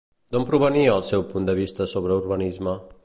D'on provenia el seu punt de vista sobre urbanisme?